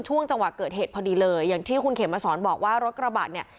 ช่วงจังหวะเกิดเหตุพอดีเลยอย่างที่คุณเขมมาสอนบอกว่ารถกระบะเนี่ย